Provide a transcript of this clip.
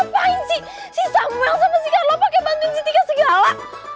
ngapain si samuel sama si carlo pake bantuin si tika segala